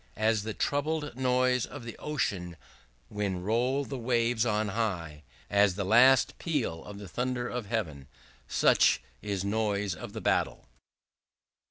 As the troubled noise of the ocean when roll the waves on high; as the last peal of the thunder of heaven; such is noise of the battle."